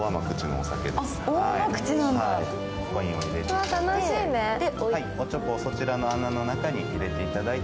おちょこをそちらに入れていただいて、